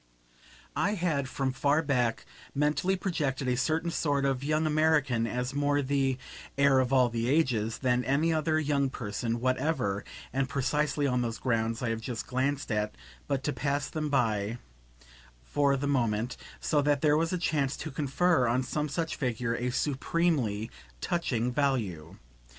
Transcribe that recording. I had from far back mentally projected a certain sort of young American as more the "heir of all the ages" than any other young person whatever (and precisely on those grounds I have just glanced at but to pass them by for the moment); so that here was a chance to confer on some such figure a supremely touching value.